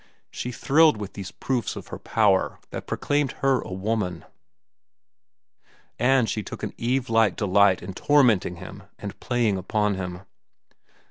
She thrilled with these proofs of her power that proclaimed her a woman, and she took an Eve like delight in tormenting him and playing upon him.